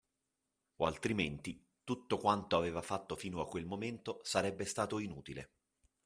O altrimenti tutto quanto aveva fatto fino a quel momento sarebbe stato inutile.